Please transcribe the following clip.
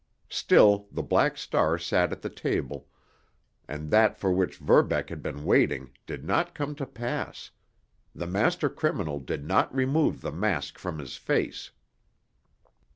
Still the Black Star sat at the table, and that for which Verbeck had been waiting did not come to pass—the master criminal did not remove the mask from his face.